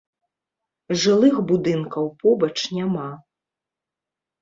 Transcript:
Жылых будынкаў побач няма.